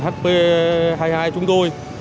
hp hai mươi hai chúng tôi